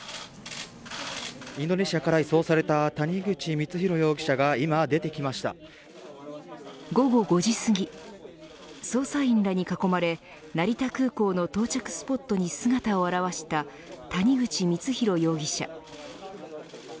インドネシアから移送された谷口光弘容疑者が午後５時すぎ捜査員らに囲まれ成田空港の到着スポットに姿を現した谷口光弘容疑者。